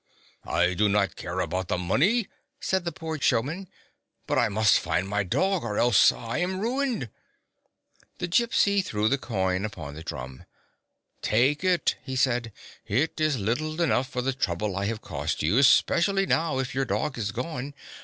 " I do not care for the money," said the poor showman, "but I must find my dog, or else I am ruined." The Gypsy threw the coin upon the drum. " Take it," he said. " It is little enough for the trouble I have caused you — especially now, if your dog is gone.